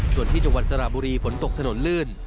ส่วนที่จังหวัดสระบุรีฝนตกถนนลื่น